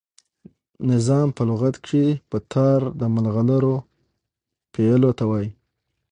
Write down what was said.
نظام په لغت کښي په تار د ملغلرو پېیلو ته وايي.